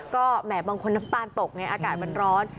ก็แหมบางคนน้ำตาลตกไงอากาศมันร้อน